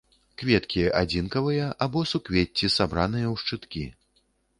Кветкі адзінкавыя або суквецці, сабраныя ў шчыткі.